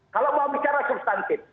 kalau mau bicara substantif